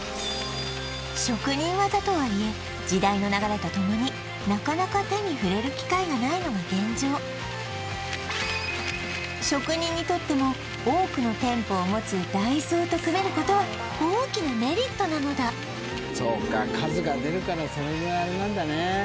職人技とはいえ時代の流れとともになかなか手に触れる機会がないのが現状職人にとっても多くの店舗を持つＤＡＩＳＯと組めることは大きなメリットなのだそうか数が出るからそれであれなんだね